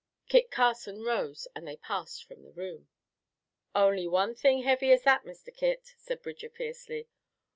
Kit Carson rose and they passed from the room. "Only one thing heavy as that, Mister Kit!" said Bridger fiercely.